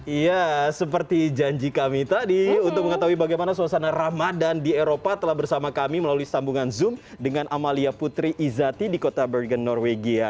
iya seperti janji kami tadi untuk mengetahui bagaimana suasana ramadan di eropa telah bersama kami melalui sambungan zoom dengan amalia putri izati di kota bergen norwegia